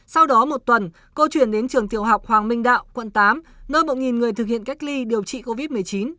sau đó một tuần cô chuyển đến trường tiểu học hoàng minh đạo quận tám nơi một người thực hiện cách ly điều trị covid một mươi chín